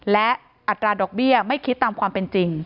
และอัตราดอกเบี้ยไม่คิดตามความเป็นจริง